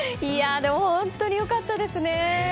でも本当に良かったですね！